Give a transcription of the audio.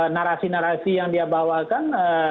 narasi narasi yang dia bawakan